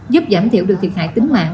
giúp giảm thiểu được thiệt hại tính mạng